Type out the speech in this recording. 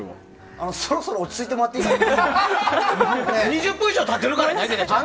そろそろ落ち着いてもらっていいかな。